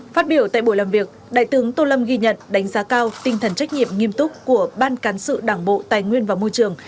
phát biểu tại buổi làm việc đại tướng tô lâm ghi nhận đánh giá cao tinh thần trách nhiệm nghiêm túc của ban cán sự đảng bộ tài nguyên và môi trường